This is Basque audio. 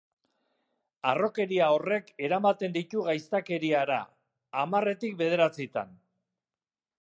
Harrokeria horrek eramaten ditu gaiztakeriara, hamarretik bederatzitan.